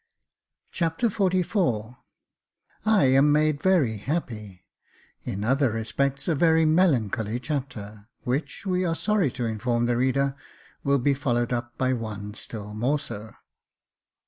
Chapter XLIV I am made very happy — In other respects a very melancholy chapter, which, we are sorry to inform the reader, will be followed up by one still more so.